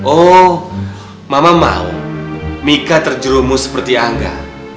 oh mama mau mika terjerumus seperti angga